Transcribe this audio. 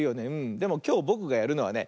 でもきょうぼくがやるのはね